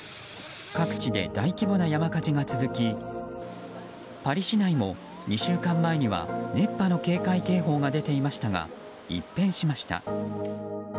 各地で大規模な山火事が続きパリ市内も２週間前には熱波の警戒警報が出ていましたが一変しました。